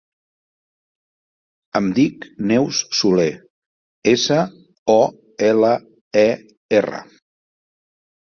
Em dic Neus Soler: essa, o, ela, e, erra.